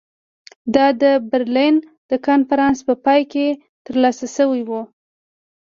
دا د برلین د کنفرانس په پای کې ترلاسه شوې وه.